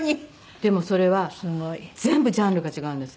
でもそれは全部ジャンルが違うんです。